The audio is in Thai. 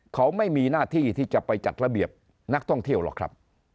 เขาไม่มีหน้าที่ที่จะไปจัดระเบียบนักท่องเที่ยวหรอกครับ